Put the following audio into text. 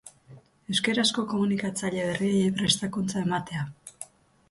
Euskarazko komunikatzaile berriei prestakuntza ematea.